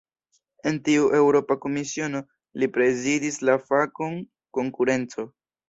En tiu Eŭropa Komisiono, li prezidis la fakon "konkurenco".